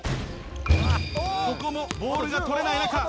ここもボールが取れない中。